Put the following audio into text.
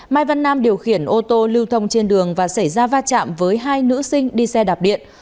mai văn nam điều khiển ô tô lưu thông trên đường và xảy ra va chạm với hai nữ sinh đi xe đạp điện